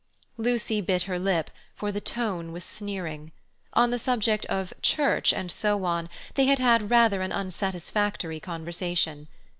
Lucy bit her lip, for the tone was sneering. On the subject of "church and so on" they had had rather an unsatisfactory conversation.